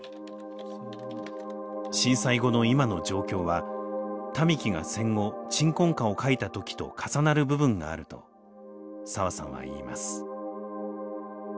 震災後の今の状況は民喜が戦後「鎮魂歌」を書いた時と重なる部分があると澤さんは言います。